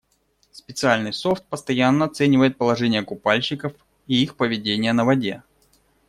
Специальный софт постоянно оценивает положение купальщиков и их поведение на воде.